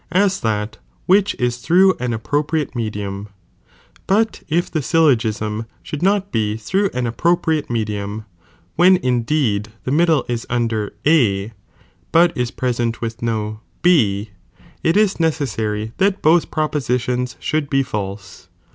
'2SsTOTL&'a ORGANON. I . (IS that which is through an appropriate mediam. p'rnpaiiiions but if the syllogism should not be through an ap baingfaiie. propriate medium,' when indeed the middle is under A, but ia present with no B, it is necessary that bolh propositions should be false.